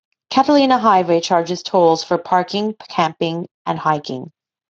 Catalina Highway charges tolls for parking, camping, and hiking.